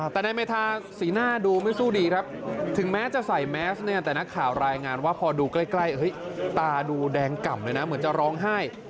แต่นายเมธาสีหน้าดูไม่สู้ดีครับถึงแม้จะใส่แมสเนี่ยแต่นักข่าวรายงานว่าพอดูใกล้ตาดูแดงก่ำเลยนะเหมือนจะร้องไห้